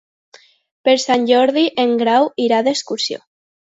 Per Sant Jordi en Grau irà d'excursió.